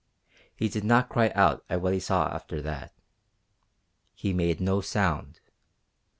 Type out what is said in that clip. He did not cry out at what he saw after that. He made no sound.